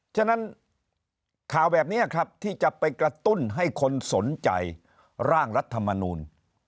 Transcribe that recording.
ฉะนั้นข่าวแบบนี้ครับที่จะไปกระตุ้นให้คนสนใจร่างรัฐมนูล